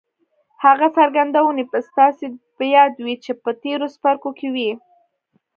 هغه څرګندونې به ستاسې په ياد وي چې په تېرو څپرکو کې وې.